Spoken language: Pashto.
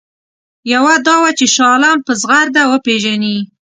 یوه دا وه چې شاه عالم په زغرده وپېژني.